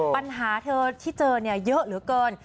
ปัญหาเธอที่เจอเนี่ยเยอะเหลือเกิน